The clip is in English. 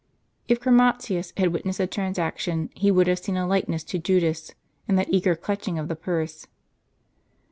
If Chromatins had witnessed the transaction, he would have seen a likeness to Judas, in that eager clutching of the purse.